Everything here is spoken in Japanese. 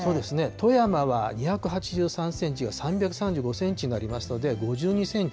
富山は２８３センチが３３５センチになりますので５２センチ。